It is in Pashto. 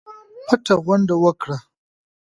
پټه غونډه وکړه.